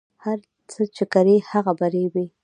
هر څه چې کرې هغه به ریبې